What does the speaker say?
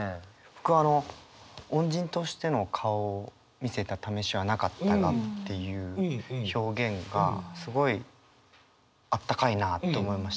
僕あの「恩人としての顔を見せたためしはなかったが」っていう表現がすごいあったかいなと思いましたね。